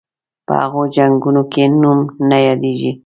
په هغو جنګونو کې نوم نه یادیږي.